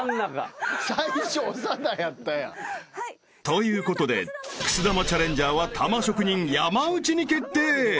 ［ということでくす玉チャレンジャーは玉職人山内に決定］